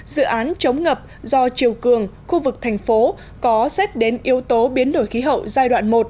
dự án chống ngập do triều cường khu vực thành phố có xét đến yếu tố biến đổi khí hậu giai đoạn một